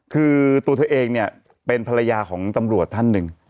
คือตัวเธอเองเนี่ยเป็นภรรยาของตำรวจท่านหนึ่ง